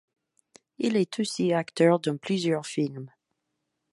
Il est aussi acteur dans plusieurs films.